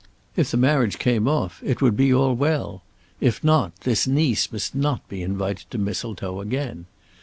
If the marriage came off it would be all well. If not, this niece must not be invited to Mistletoe again.